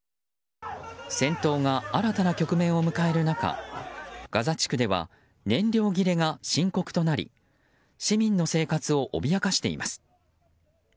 戦闘が新たな局面を迎える中ガザ地区では燃料切れが深刻となり市民の生活を脅かしています。